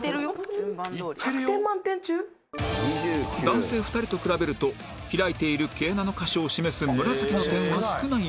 男性２人と比べると開いている毛穴の箇所を示す紫の点は少ないものの